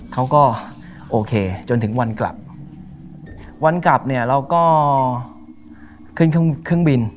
เขาก็โอเคจนถึงวันกลับวันกลับเนี่ยเราก็ขึ้นเครื่องเครื่องบิน